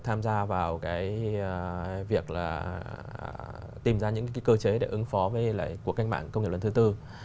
tham gia vào việc tìm ra những cơ chế để ứng phó với cuộc cách mạng công nghiệp lần thứ bốn